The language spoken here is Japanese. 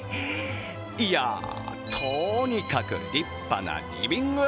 いや、とにかく立派なリビング！